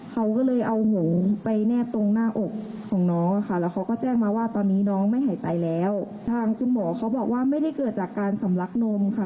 คุณหมอเขาบอกว่าไม่ได้เกิดจากการสำลักนมค่ะ